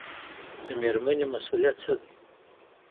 د ميرمني مسئوليت څه دی؟